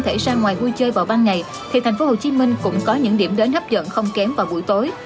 thể ra ngoài vui chơi vào ban ngày thì tp hcm cũng có những điểm đến hấp dẫn không kém vào buổi tối